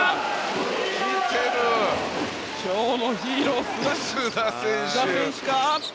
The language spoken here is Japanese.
今日のヒーローは須田選手か？